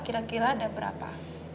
kira kira ada berapa